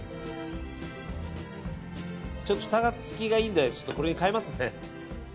ちょっとふた付きがいいんでこれに変えますね。